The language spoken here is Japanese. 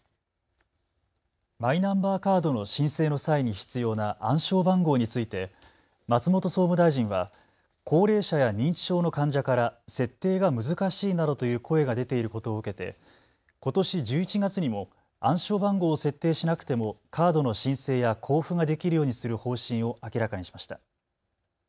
マイナンバーカードの申請の際に必要な暗証番号について松本総務大臣は高齢者や認知症の患者から設定が難しいなどという声が出ていることを受けてことし１１月にも暗証番号を設定しなくてもカードの申請や交付ができるようにする方針を明らかにしました。